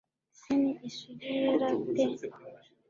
Ese ni isugi yera pe